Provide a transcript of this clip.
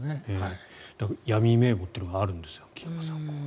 闇名簿というのがあるんです菊間さん。